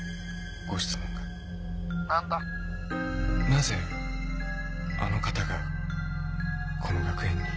なぜあの方がこの学園に？